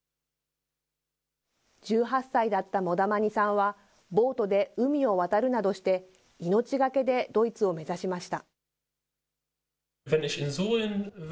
１８歳だったモダマニさんは、ボートで海を渡るなどして、命懸けでドイツを目指しました。